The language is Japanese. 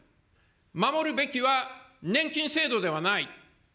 守るべきは年金制度ではない。